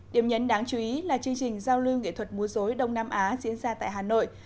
điểm nhấn đáng chú ý là chương trình giao lưu nghệ thuật múa dối đông nam á diễn ra tại hà nội